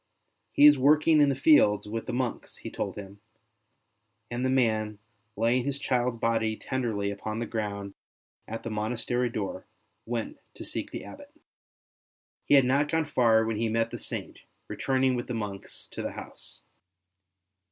''He is working in the fields with 68 ST. BENEDICT the monks/' he told him; and the man laying his child's body tenderly upon the ground at the monastery door, went to seek the Abbot. He had not gone far when he met the Saint returning with his monks to the house.